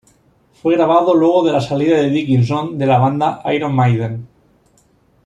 Fue grabado luego de la salida de Dickinson de la banda Iron Maiden.